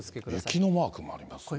雪のマークもあります。